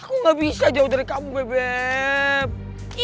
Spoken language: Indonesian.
aku gak bisa jauh dari kamu bebe